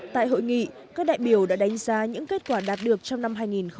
tại hội nghị các đại biểu đã đánh giá những kết quả đạt được trong năm hai nghìn một mươi chín